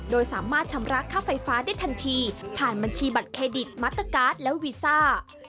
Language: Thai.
โดยสามารถชำระค่าไฟฟ้าได้ทันทีผ่านบัญชีบัตรเครดิตมัตเตอร์การ์ดและวีซ่า